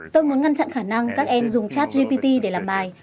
tôi muốn ngăn chặn khả năng các em dùng chat gpt để làm bài